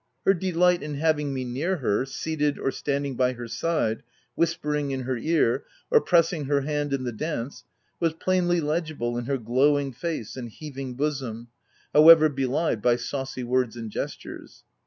Her delight in having me near her, seated or standing by her side, whispering in her ear, or pressing her hand in the dance, was plainly legible in her glowing face and heaving bosom, however belied by saucy words and gestures.